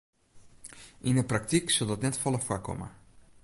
Yn 'e praktyk sil dat net folle foarkomme.